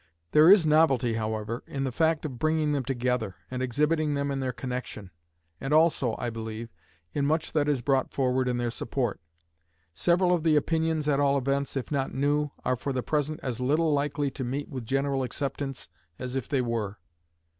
There is novelty, however, in the fact of bringing them together, and exhibiting them in their connection, and also, I believe, in much that is brought forward in their support. Several of the opinions at all events, if not new, are for the present as little likely to meet with general acceptance as if they were.